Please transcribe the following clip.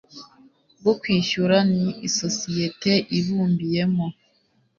bwo kwishyura n isosiyete ibumbiyemo